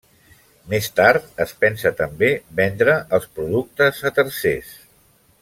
Més tard es pensa també vendre els productes a tercers.